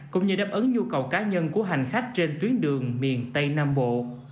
cũng như đáp ứng nhu cầu cá nhân của hành khách trên tuyến đường miền tây nam bộ